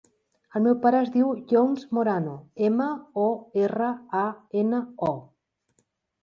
El meu pare es diu Younes Morano: ema, o, erra, a, ena, o.